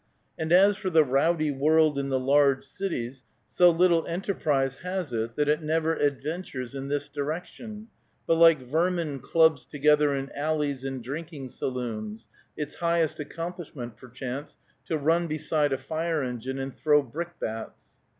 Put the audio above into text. And as for the rowdy world in the large cities, so little enterprise has it that it never adventures in this direction, but like vermin clubs together in alleys and drinking saloons, its highest accomplishment, perchance, to run beside a fire engine and throw brickbats.